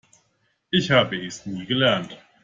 Ich habe es nie gelernt.